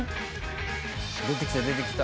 出てきた出てきた。